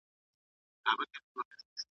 فرنګ په خپلو وینو کي رنګ وو ,